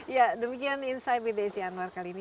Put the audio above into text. ya demikian insight with desi anwar kali ini